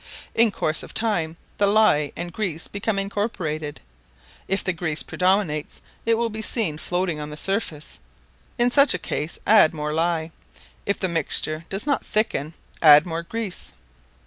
In course of time the ley and grease become incorporated: if the grease predominates it will be seen floating on the surface; in such case add more ley; if the mixture does not thicken, add more grease.